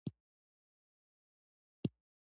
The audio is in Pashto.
غرونه د افغانستان په طبیعت کې مهم رول لري.